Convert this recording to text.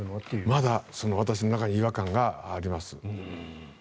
まだ、私の中に違和感があります。